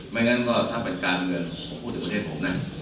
งั้นก็ถ้าเป็นการเมืองผมพูดถึงประเทศผมนะ